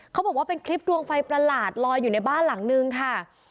เขาบอกว่าเป็นคลิปดวงไฟประหลาดลอยอยู่ในบ้านหลังนึงค่ะ